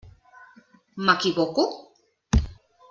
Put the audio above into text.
M'equivoco?